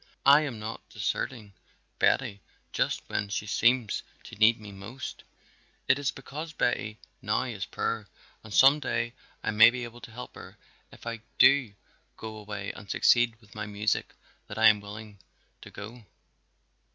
I am not deserting Betty just when she seems to need me most; it is because Betty now is poor and some day I may be able to help her if I do go away and succeed with my music that I am willing to go.